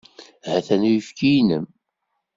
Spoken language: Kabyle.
Ha-t-an uyefki-inem.